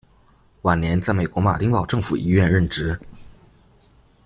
晚年在美国马丁堡政府医院任职。